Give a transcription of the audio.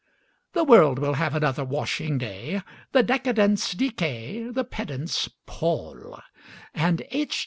The world will have another washing day; The decadents decay; the pedants pall; And H.